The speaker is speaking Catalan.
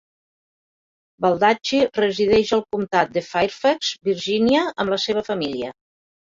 Baldacci resideix al comtat de Fairfax, Virginia, amb la seva família.